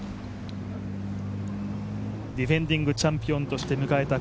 ディフェンディングチャンピオンとして迎えた